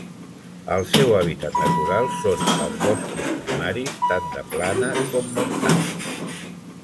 El seu hàbitat natural són els boscos primaris, tant de plana com montans.